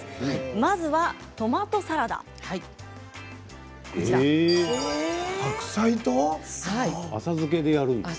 まずはトマトサラダ。浅漬けで。